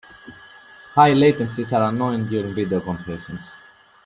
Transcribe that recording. High latencies are annoying during video conferences.